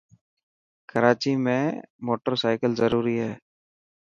ڪراچي ۾ موٽر سائيڪل ضروري هي.